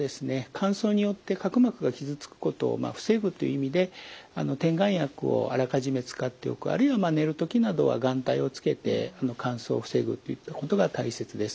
乾燥によって角膜が傷つくことを防ぐという意味で点眼薬をあらかじめ使っておくあるいは寝る時などは眼帯をつけて乾燥を防ぐといったことが大切です。